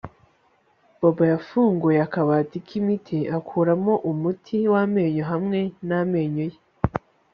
Bobo yafunguye akabati kimiti akuramo umuti wamenyo hamwe namenyo ye